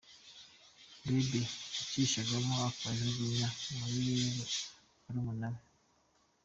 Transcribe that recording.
Bieber yacishagamo akajugunya mu birere barumuna be.